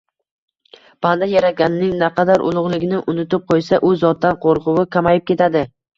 Banda Yaratganning naqadar ulug‘ligini unutib qo‘ysa, U Zotdan qo‘rquvi kamayib ketadi.